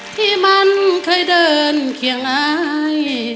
ที่มันเคยเดินเคียงหลาย